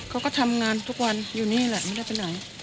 เขาก็ทำงานทุกวันอยู่นี่แหละไม่ได้ไปไหน